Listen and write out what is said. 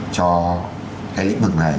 cho cái lĩnh vực này